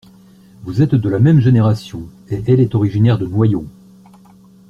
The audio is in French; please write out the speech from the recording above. Vous êtes de la même génération et elle est originaire de Noyon